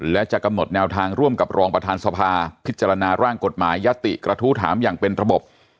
และจะกำหนดแนวทางร่วมกับรองประธานสภาพิจารณาร่างกฎหมายยติกระทู้ถามอย่างเป็นระบบ